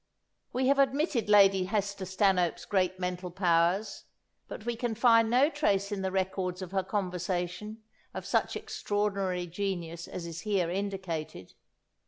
We have admitted Lady Hester Stanhope's great mental powers, but we can find no trace in the records of her conversation of such extraordinary genius as is here indicated.